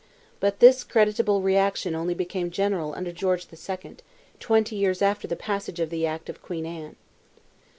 But this creditable reaction only became general under George II., twenty years after the passage of the act of Queen Anne.